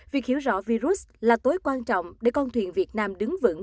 việc hiểu rõ virus là tối quan trọng để con thuyền việt nam đứng vững